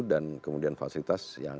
dan kemudian fasilitas yang